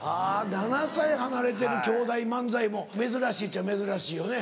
７歳離れてる兄弟漫才も珍しいっちゃ珍しいよね。